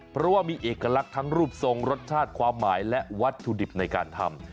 เพราะว่ามีเอกลักษณ์ทั้งรูปทรงรสชาติความหมายและวัตถุดิบในการทำ